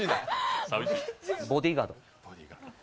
「ボディーガード」。